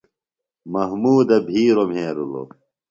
محمودہ بِھیروۡ مھیرِلوۡ۔